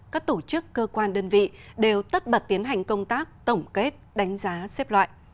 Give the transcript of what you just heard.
các tổ chức cơ quan đơn vị đều tất bật tiến hành công tác tổng kết đánh giá xếp loại